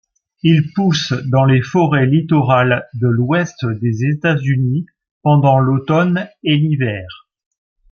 Il pousse dans les forêts littorales de l'ouest des États-Unis pendant l'automne et l'hiver.